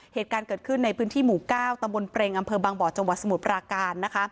เหตุการณ์เกิดขึ้นในพื้นที่หมู่๙ตำบลเปรงอำเภอบางบ่อจังหวัดสมุทรปราการนะคะ